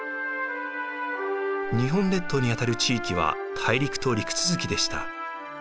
日本列島にあたる地域は大陸と陸続きでした。